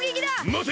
まて！